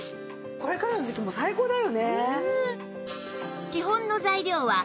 これからの時期最高だよね。